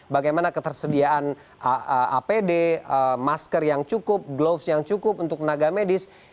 bagaimana ketersediaan apd masker yang cukup gloves yang cukup untuk tenaga medis